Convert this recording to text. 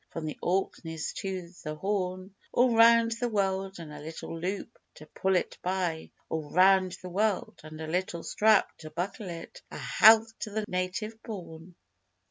From the Orkneys to the Horn, All round the world (and a little loop to pull it by), All round the world (and a little strap to buckle it), A health to the Native born!